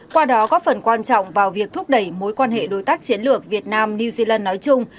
qua đó góp phần quan trọng vào việc thúc đẩy mối quan hệ đối tác chiến lược việt nam new zealand nói chung